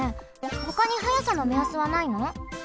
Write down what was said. ほかに速さのめやすはないの？